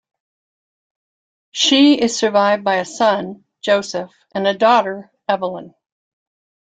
She is survived by a son, Joseph, and a daughter, Evelyn.